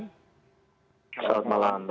selamat malam bang